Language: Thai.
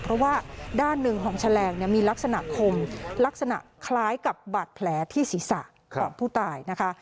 เพราะว่าด้านหนึ่งของแฉลงเนี่ยมีลักษณะคมลักษณะคล้ายกับบาดแผลที่ศีรษะของผู้ตายนะคะ